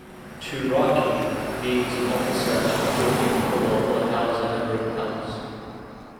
Turaki, means an officer at court in Fula or Hausa emirate palace.